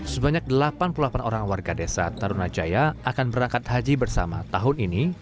sebanyak delapan puluh delapan orang warga desa tarunajaya akan berangkat haji bersama tahun ini